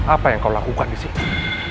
apa yang kau lakukan disini